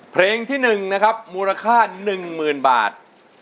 เพลงที่๑นะครับมูลค่า๑๐๐๐บาท